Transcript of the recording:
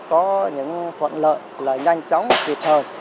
có những phận lợi là nhanh chóng kịp thời